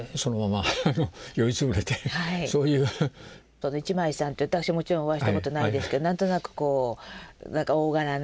その一枚さんって私もちろんお会いしたことないですけど何となくこうなんか大柄な。